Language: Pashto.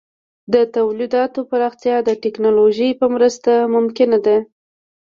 د تولیداتو پراختیا د ټکنالوژۍ په مرسته ممکنه ده.